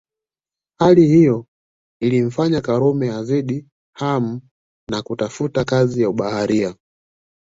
Hali hiyo ilimfanya Karume azidi hamu na kutafuta kazi ya ubaharia